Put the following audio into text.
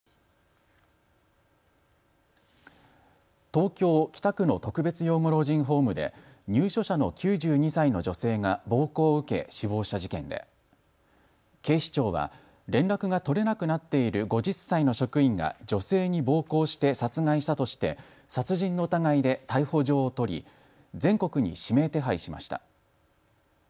東京北区の特別養護老人ホームで入所者の９２歳の女性が暴行を受け死亡した事件で警視庁は連絡が取れなくなっている５０歳の職員が女性に暴行して殺害したとして殺人の疑いで逮捕状を取り全国に指名手配しました。